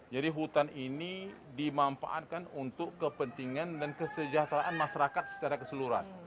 jadi hutan ini dimampaankan untuk kepentingan dan kesejahteraan masyarakat secara keseluruhan